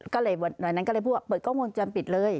ก็เลยวันนั้นก็เลยพูดว่าเปิดกล้องวงจรปิดเลย